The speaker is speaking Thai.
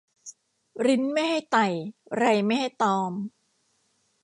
ริ้นไม่ให้ไต่ไรไม่ให้ตอม